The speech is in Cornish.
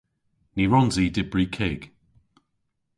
Ny wrons i dybri kig.